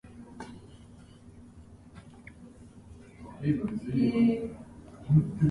He began to fall, fell swifter and swifter.